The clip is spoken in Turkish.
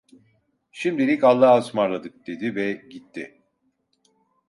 Şimdilik allahaısmarladık, dedi ve gitti.